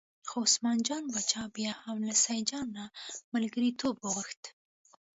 خو عثمان جان باچا بیا هم له سیدجان نه ملګرتوب وغوښت.